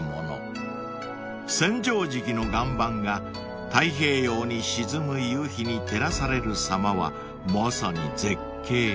［千畳敷の岩盤が太平洋に沈む夕日に照らされるさまはまさに絶景］